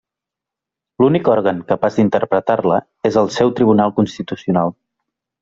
L'únic òrgan capaç d'interpretar-la és el seu Tribunal Constitucional.